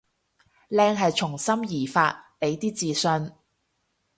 靚係從心而發，畀啲自信